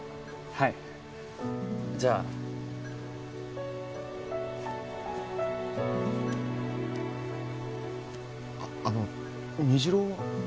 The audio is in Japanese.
はいじゃあああの虹朗は？